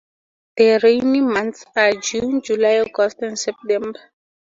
The rainy months are June, July, August and September.